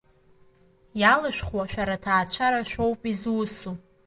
Иалышәхуа шәара аҭаацәара шәоуп изусу.